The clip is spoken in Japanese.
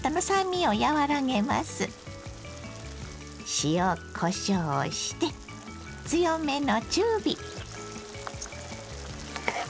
塩こしょうをして強めの中火。